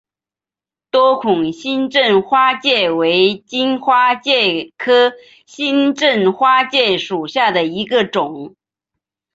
多孔新正花介为荆花介科新正花介属下的一个种。